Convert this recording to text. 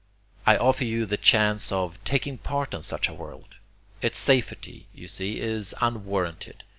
I offer you the chance of taking part in such a world. Its safety, you see, is unwarranted.